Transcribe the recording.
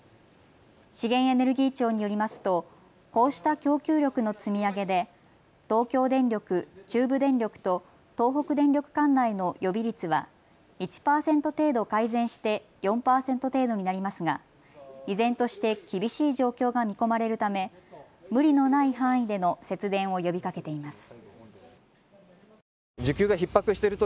資源エネルギー庁によりますとこうした供給力の積み上げで東京電力、中部電力と東北電力管内の予備率は１％程度改善して４％程度になりますが依然として厳しい状況が見込まれるため無理のない範囲での節電を呼びかけています。